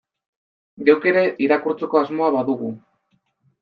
Geuk ere irakurtzeko asmoa badugu.